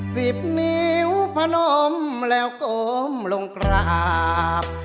สิบนิ้วพนมแล้วก้มลงกราบ